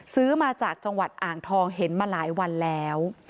ซื้อมาจากจังหวัดอ่างทองเห็นมาหลายวันแล้ว